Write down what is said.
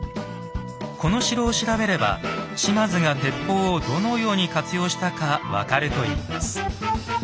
この城を調べれば島津が鉄砲をどのように活用したか分かるといいます。